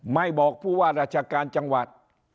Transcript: ไม่บอกผู้ว่าราชการจังหวัด